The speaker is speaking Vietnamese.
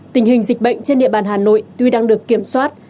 tình hình dịch bệnh trên địa bàn hà nội tuy đang được kiểm soát